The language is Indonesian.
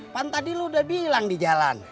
pantadi lo udah bilang di jalan